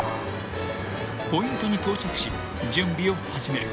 ［ポイントに到着し準備を始める］